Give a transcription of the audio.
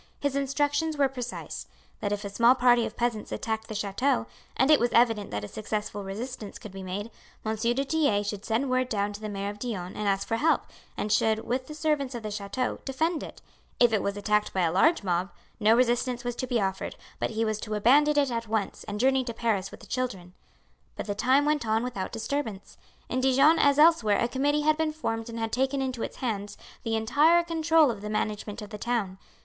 His instructions were precise: that if a small party of peasants attacked the chateau, and it was evident that a successful resistance could be made, M. du Tillet should send word down to the mayor of Dijon and ask for help, and should, with the servants of the chateau, defend it; if it was attacked by a large mob, no resistance was to be offered, but he was to abandon it at once and journey to Paris with the children. But the time went on without disturbance. In Dijon as elsewhere a committee had been formed and had taken into its hands the entire control of the management of the town.